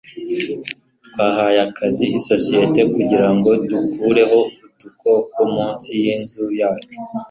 twahaye akazi isosiyete kugirango dukureho udukoko munsi yinzu yacu